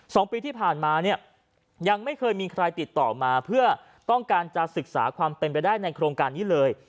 สองปีที่ผ่านมาเนี่ยยังไม่เคยมีใครติดต่อมาเพื่อต้องการจะศึกษาความเป็นไปได้ในโครงการนี้เลย